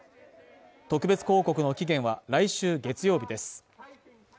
特別抗告の期限は来週月曜日です。